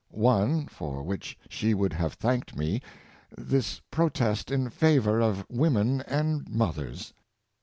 One, for which she would have thanked me — this protest in favor of women and mothers."